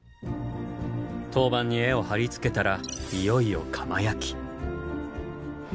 陶板に絵を貼り付けたらいよいよ窯焼き。